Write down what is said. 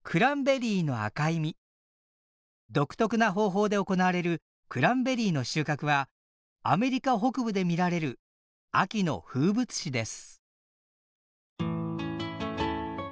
独特な方法で行われるクランベリーの収穫はアメリカ北部で見られる秋の風物詩です。